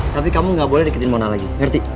tapi kamu gak boleh deketin mona lagi ngerti